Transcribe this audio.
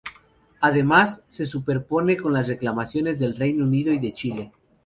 Además, se superpone con las reclamaciones del Reino Unido y de Chile.